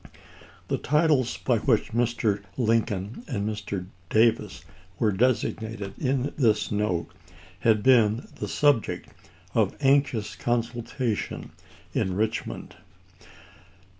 The titles by which Mr. Lincoln and Mr. Davis were designated in this note had been the subject of anxious consultation in Eichmond.